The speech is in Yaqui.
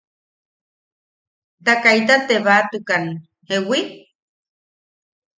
–Ta kaita tebaatukan ¿jeewi?